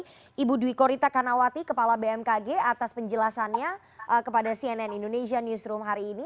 terima kasih ibu dwi korita kanawati kepala bmkg atas penjelasannya kepada cnn indonesia newsroom hari ini